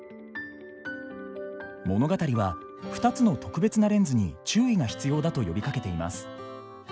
物語は２つの特別なレンズに注意が必要だと呼びかけています。